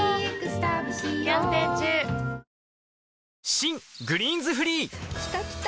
新「グリーンズフリー」きたきた！